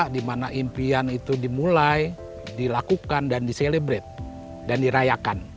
di mana impian itu dimulai dilakukan dan diselebrate dan dirayakan